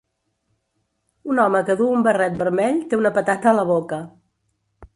un home que duu un barret vermell té una patata a la boca.